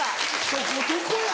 そこどこや？